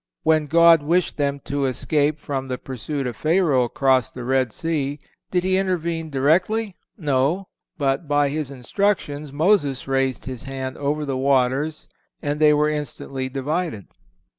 When God wished them to escape from the pursuit of Pharaoh across the Red Sea, did He intervene directly? No; but, by His instructions, Moses raised his hand over the waters and they were instantly divided.